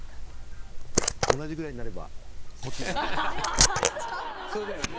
同じぐらいになればこっちに。